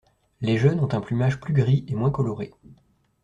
Les jeunes ont un plumage plus gris et moins coloré.